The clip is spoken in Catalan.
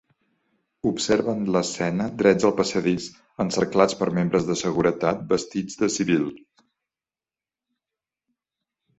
Observen l'escena drets al passadís, encerclats per membres de seguretat vestits de civil.